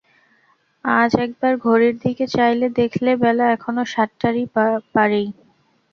আজ একবার ঘড়ির দিকে চাইলে, দেখলে, বেলা এখনো সাতটার এ পারেই।